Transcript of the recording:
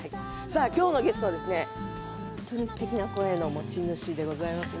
今日のゲストは本当にすてきな声の持ち主でございますね。